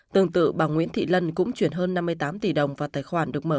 tương tự bà nguyễn thị lân cũng chuyển hơn năm mươi tám tỷ đồng vào tài khoản được mở